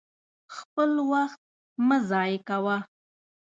خپل وخت مه ضايع کوه!